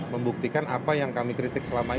membuktikan apa yang kami kritik selama ini